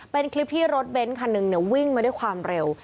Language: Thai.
เป็นคลิปที่รถเบนท์คันหนึ่งวิ่งมาด้วยความเร็ว